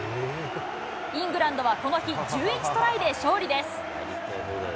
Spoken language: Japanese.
イングランドはこの日、１１トライで勝利です。